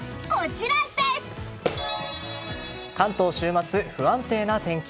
関東週末、不安定な天気。